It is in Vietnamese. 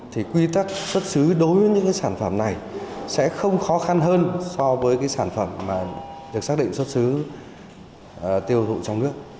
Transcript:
thì quy tắc xuất xứ đối với những sản phẩm này sẽ không khó khăn hơn so với cái sản phẩm mà được xác định xuất xứ tiêu thụ trong nước